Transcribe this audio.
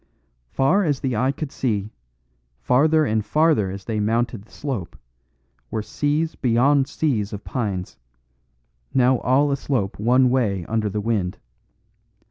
Far as the eye could see, farther and farther as they mounted the slope, were seas beyond seas of pines, now all aslope one way under the wind.